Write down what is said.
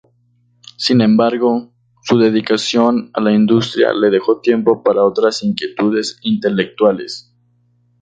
Sin embargo, su dedicación a la industria le dejó tiempo para otras inquietudes intelectuales.